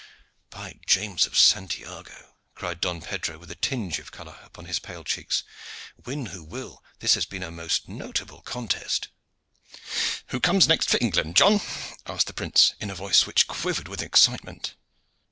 "By Saint James of Santiago!" cried Don Pedro, with a tinge of color upon his pale cheeks, "win who will, this has been a most notable contest." "Who comes next for England, John?" asked the prince in a voice which quivered with excitement.